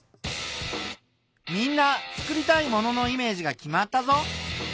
みんな作りたいもののイメージが決まったぞ。